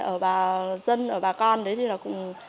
ở bà dân ở bà con đấy thì là cũng